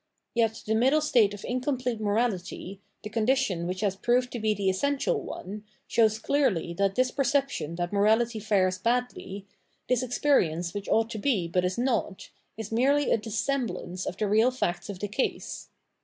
Yet the middle state of incomplete morality, the condition which has proved to be the essential one, shows clearly that this perception that morality fares badly, this experience which ought to be but is not, is merely a dissemblance of the real facts of the case.